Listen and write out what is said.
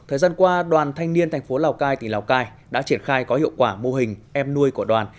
thời gian qua đoàn thanh niên thành phố lào cai tỉnh lào cai đã triển khai có hiệu quả mô hình em nuôi của đoàn